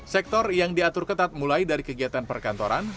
sektor yang diatur ketat mulai dari kegiatan perkantoran